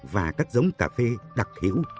và các giống cà phê đặc hữu